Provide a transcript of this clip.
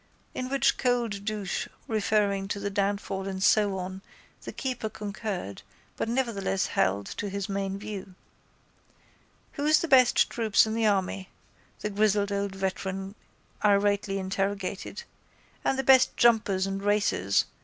To which cold douche referring to downfall and so on the keeper concurred but nevertheless held to his main view. —Who's the best troops in the army? the grizzled old veteran irately interrogated. And the best jumpers and racers?